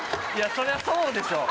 そりゃそうでしょう